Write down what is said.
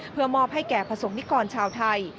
เพื่อมอบให้แก่ประสงค์นิกรชาวไทย